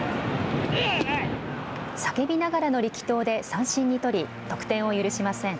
叫びながらの力投で三振に取り、得点を許しません。